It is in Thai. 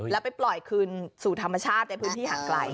แล้วไปปล่อยคืนสู่ธรรมชาติในพื้นที่ห่างไกล